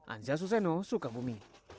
anja suseno sukabumi